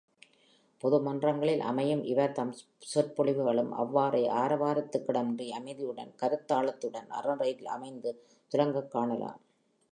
பொது மன்றங்களில் அமையும் இவர்தம் சொற் பொழிவுகளும் அவ்வாறே ஆரவாரத்திற்கிடமின்றி அமைதியுடன் கருத்தாழத்துடன் அறநெறியில் அமைந்து துலங்கக் காணலாம்.